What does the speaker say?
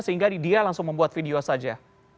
sehingga dia langsung membuat video saja